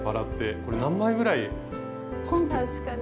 これ何枚ぐらい作って。